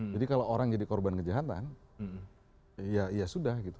jadi kalau orang jadi korban kejahatan ya sudah gitu